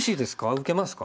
受けますか？